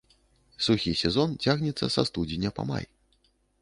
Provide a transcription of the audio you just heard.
Сухі сезон цягнецца са студзеня па май.